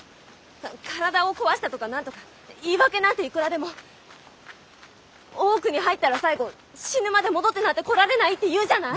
体を壊したとか何とか言い訳なんていくらでも。大奥に入ったら最後死ぬまで戻ってなんて来られないっていうじゃない！